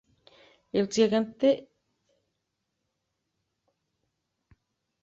El siguiente diagrama muestra a las localidades en un radio de de Vander.